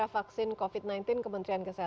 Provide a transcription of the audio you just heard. baik terima kasih